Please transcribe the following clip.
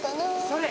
それ！